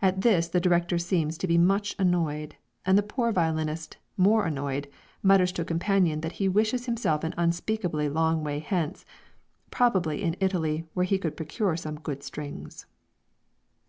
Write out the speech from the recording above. At this the director seems to be much annoyed, and the poor violinist, more annoyed, mutters to a companion that he wishes himself an unspeakably long way hence probably in Italy where he could procure some good strings.